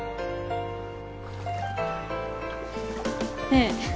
ねえ。